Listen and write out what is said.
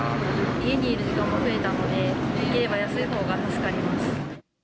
家にいる時間が増えたので、できれば安いほうが助かります。